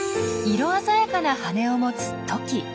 色鮮やかな羽を持つトキ。